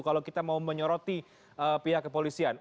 kalau kita mau menyoroti pihak kepolisian